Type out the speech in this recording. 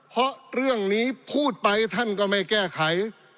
เพราะเรื่องนี้พูดไปท่านก็ไม่แก้ไข